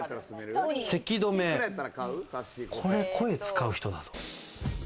せき止め、これ声使う人だぞ。